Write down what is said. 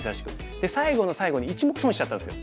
で最後の最後に１目損しちゃったんですよ。